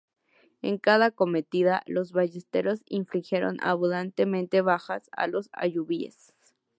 En cada acometida, los ballesteros infligieron abundantes bajas a los ayubíes.